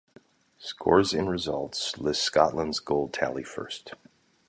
Scores and results list Scotland's goal tally first.